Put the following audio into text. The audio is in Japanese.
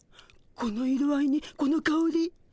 この色合いにこのかおり。